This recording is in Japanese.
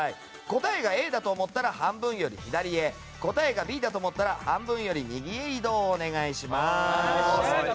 答えがＡだと思ったら半分より左へ答えがＢだと思ったら半分より右へ移動をお願いします。